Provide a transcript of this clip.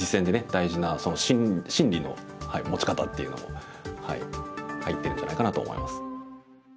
大事な心理の持ち方っていうのも入ってるんじゃないかなと思います。